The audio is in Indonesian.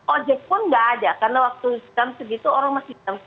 ojek pun tidak ada karena waktu jam sepuluh orang masih jam sepuluh